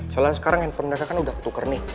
soalnya sekarang handphone mereka kan udah ketukar nih